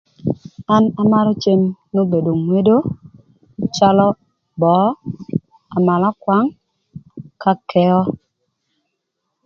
An amarö cem n'obedo ngwedo, calö böö, amalakwang, k'akëö.